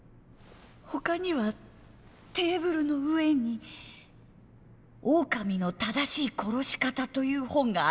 ほかにはテーブルの上に「オオカミのただしいころし方」という本がありました。